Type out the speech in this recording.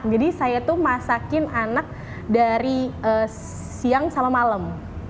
jadi saya itu masakin anak dari siang sama malam